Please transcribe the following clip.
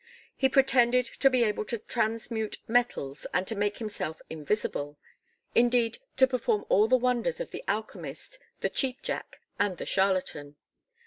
He pretended to be able to transmute metals and to make himself invisible; indeed to perform all the wonders of the alchemist, the "cheap jack," and the charlatan.